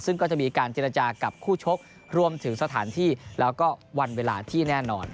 ซึ่งก็จะมีการเจรจากับคู่ชกรวมถึงสถานที่แล้วก็วันเวลาที่แน่นอน